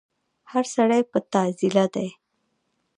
هر سړی په تعضيله دی